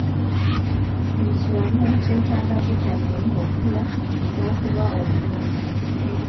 Buli kiramu kyetaaga vitamiini okukula n'okuba obulungi.